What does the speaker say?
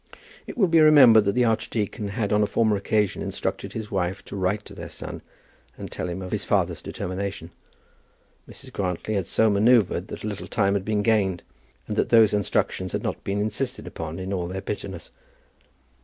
It will be remembered that the archdeacon had on a former occasion instructed his wife to write to their son and tell him of his father's determination. Mrs. Grantly had so manoeuvred that a little time had been gained, and that those instructions had not been insisted upon in all their bitterness.